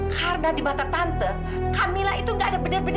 karena di mata tante kamila itu nggak ada benar benarnya